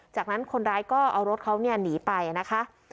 จากนั้นคนร้ายก็เอารถเขาหนีไปนะคะ